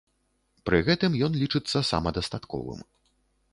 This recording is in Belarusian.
Пры гэтым ён лічыцца самадастатковым.